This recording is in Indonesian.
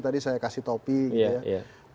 tadi saya kasih topik